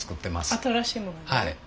新しいもの。